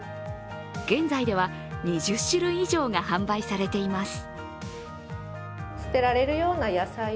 現在では、２０種類以上が販売されています。